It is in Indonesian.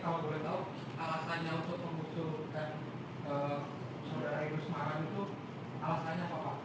kalau boleh tahu alasannya untuk mengusulkan soekarno hagel semarang itu alasannya apa pak